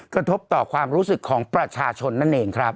กระทบต่อความรู้สึกของประชาชนนั่นเองครับ